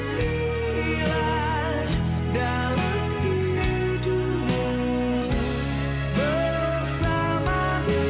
mimpilah dalam tidurmu